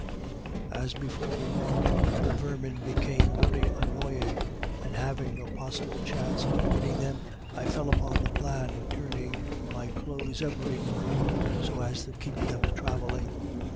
As before remarked, the vermin became very annoying and having no possible chance of avoiding them, I fell upon the plan of turning my clothes every morning, so as to keep them travelling.